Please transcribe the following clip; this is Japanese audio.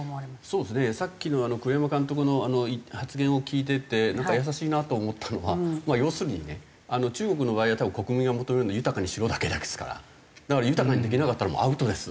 そうですねさっきの栗山監督の発言を聞いててなんか優しいなと思ったのはまあ要するにね中国の場合は多分国民が求めるの「豊かにしろ」だけですからだから豊かにできなかったらもうアウトです。